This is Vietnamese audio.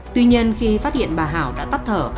tuy nhiên khi phát hiện bà hảo đã tắt thở